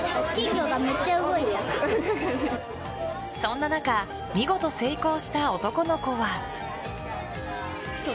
そんな中見事成功した男の子は。